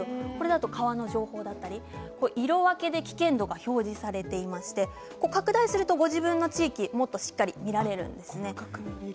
川の情報だったりいろいろ色分けで危険度が表示されていて拡大するとご自身の地域をしっかり見ることができます。